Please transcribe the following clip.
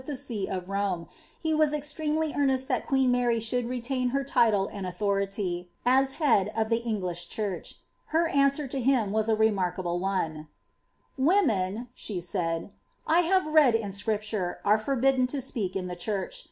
the tee of Rome, he was extremely earnest that queen Mary should retain her title and authority, as Head of the English Uhureh.* Her answer to Wm waa a remarkable one :—■* Women," she said,^ 1 have read in ScriptarBiare forhiddeo to mak in tli^ church.